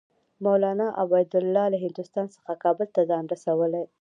مولنا عبیدالله له هندوستان څخه کابل ته ځان رسولی.